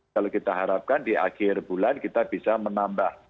kalau kita harapkan di akhir bulan kita bisa menambah